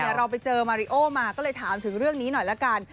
เราไปเจอมาริโอมาก็เลยถามถึงเรื่องนี้หน่อยละกัน